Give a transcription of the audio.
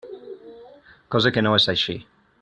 Cosa que no és així.